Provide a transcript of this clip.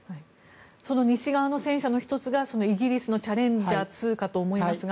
その西側の戦車の１つがイギリスのチャレンジャー２かと思いますが